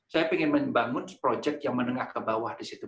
saya ingin membangun proyek yang menengah ke bawah di situ